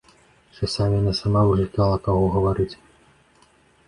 Часамі яна сама выклікала каго гаварыць.